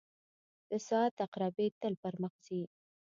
• د ساعت عقربې تل پر مخ ځي.